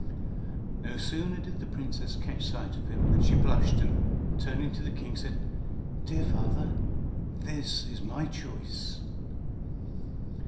No sooner did the Princess catch sight of him than she blushed, and, turning to the King, said, "Dear father, this is my choice!"